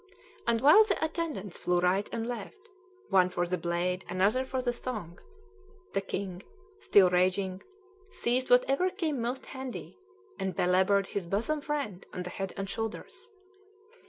And while the attendants flew right and left, one for the blade, another for the thong, the king, still raging, seized whatever came most handy, and belabored his bosom friend on the head and shoulders.